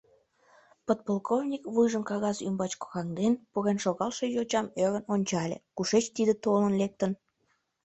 Подполковник, вуйжым кагаз ӱмбач кораҥден, пурен шогалше йочам ӧрын ончале: «Кушеч тиде толын лектын?